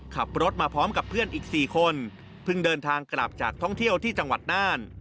ขับรถมาพร้อมกับเพื่อนอีก๔คนเพิ่งเดินทางกลับจากท่องเที่ยวที่จังหวัดน่าน